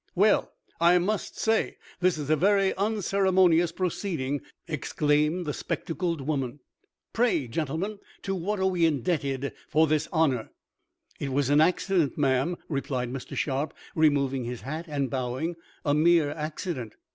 "Well, I must say, this is a very unceremonious proceeding!" exclaimed the spectacled woman. "Pray, gentlemen, to what are we indebted for this honor?" "It was an accident, ma'am," replied Mr. Sharp, removing his hat, and bowing. "A mere accident!"